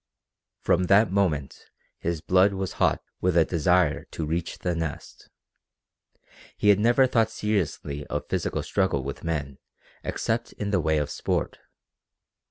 From that moment his blood was hot with a desire to reach the Nest. He had never thought seriously of physical struggle with men except in the way of sport.